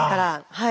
はい！